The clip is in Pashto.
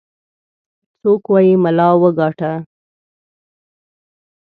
څوك وايي ملا وګاټه.